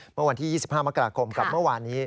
เมื่อวันที่๒๕มกราคมกับเมื่อวานนี้